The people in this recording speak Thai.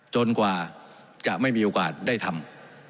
กว่าจะไม่มีโอกาสได้ทำ